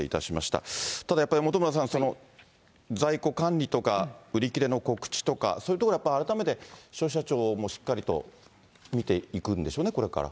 ただやっぱり本村さん、在庫管理とか、売り切れの告知とか、そういうところやっぱり、改めて消費者庁もしっかりと見ていくんでしょうね、これから。